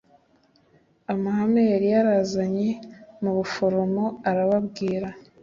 amahame yari yabazanye mubuforomo. arababwira